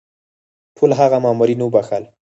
ټول هغه مامورین وبخښل.